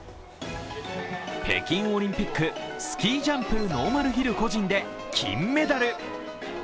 北京オリンピック、スキージャンプ・ノーマルヒル個人で金メダル。